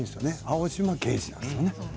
青島刑事なんですよね。